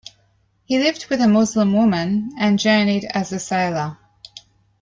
He lived with a Muslim woman and journeyed as a sailor.